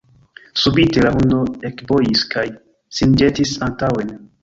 Subite la hundo ekbojis kaj sin ĵetis antaŭen.